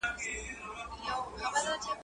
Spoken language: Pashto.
زه به اوږده موده سپينکۍ مينځلي وم!؟